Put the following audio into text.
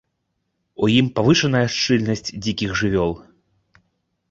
У ім павышаная шчыльнасць дзікіх жывёл.